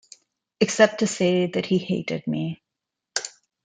Except to say that he hated me.